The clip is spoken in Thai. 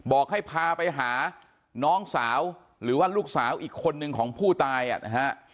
บอกให้พาไปหาน้องสาวหรือว่าลูกสาวอีกคนนึงของผู้ตายนะฮะ